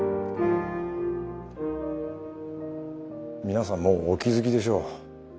皆さんもうお気付きでしょう。